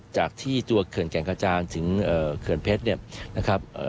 จากที่ตัวเขื่อนแก่งกระจานถึงเขื่อนเพชรเนี่ยนะครับ